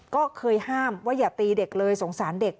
ก็เคยห้ามว่าอย่าตีเด็กเลยสงสารเด็ก